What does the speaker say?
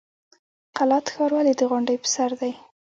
قلات ښار ولې د غونډۍ په سر دی؟